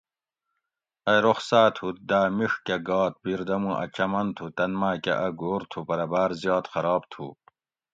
ائ رخصات ہوت دا میڛ کہ گات بیر دمو اۤ چمن تھو تن ماۤکہ اۤ گھور تھو پرہ باۤر زیات خراب تھو